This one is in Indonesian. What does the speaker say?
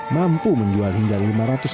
mampu menjual hingga lima ratus